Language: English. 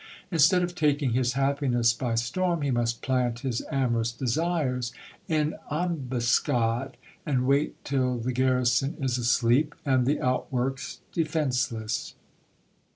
Instead of taking his happiness by sto m, he must plant his amorous desires in ambuscade, and wait till the garri son is asleep, and the outworks defenceless. GIL BLAS.